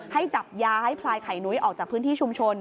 ให้จับย้ายพลายไข่นุ้ยออกจากพื้นที่ชุมชน